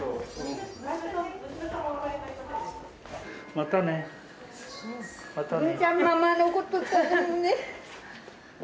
またねまたね。